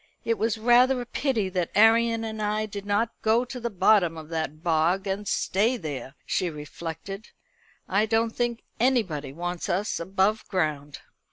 "It was rather a pity that Arion and I did not go to the bottom of that bog and stay there," she reflected. "I don't think anybody wants us above ground."